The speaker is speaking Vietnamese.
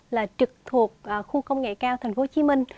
là trực thuộc khu công nghệ cao thành phố hồ chí minh